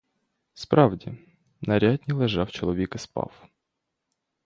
Справді: на рядні лежав чоловік і спав.